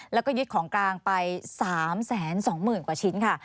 แล้วก็ยึดของกลางไป๓๒๐๐๐กว่าชิ้นค่ะ